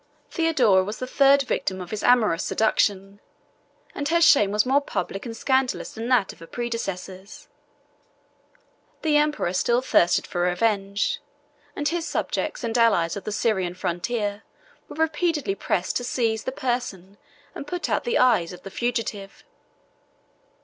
Theodora was the third victim of his amorous seduction; and her shame was more public and scandalous than that of her predecessors. The emperor still thirsted for revenge; and his subjects and allies of the Syrian frontier were repeatedly pressed to seize the person, and put out the eyes, of the fugitive.